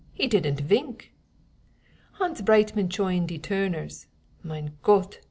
he didn't vink! Hans Breitmann choined de Toorners: Mein Gott!